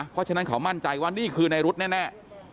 เพราะฉะนั้นเขามั่นใจว่านี่คือในรุ๊ดแน่